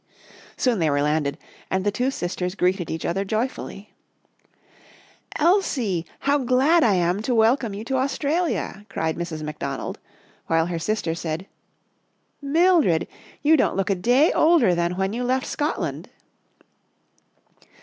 Soon they were landed and the two sisters greeted each other joyfully. " Elsie ! How glad I am to welcome you to Australia," cried Mrs. McDonald, while her sister said, Sailing to Sydney 17 11 Mildred, you don't look a day older than when you left Scotland